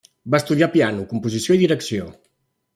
Va estudiar piano, composició i direcció.